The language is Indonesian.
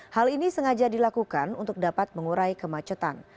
hal ini sengaja dilakukan untuk dapat mengurai kemacetan